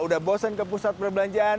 udah bosan ke pusat perbelanjaan